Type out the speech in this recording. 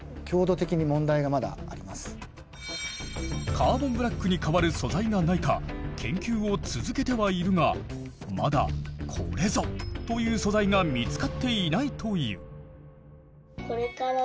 カーボンブラックに代わる素材がないか研究を続けてはいるがまだこれぞという素材が見つかっていないという。